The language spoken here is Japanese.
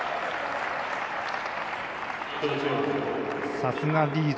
さすがリード。